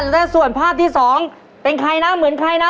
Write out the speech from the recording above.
และส่วนภาพที่สองเป็นใครนะเหมือนใครนะ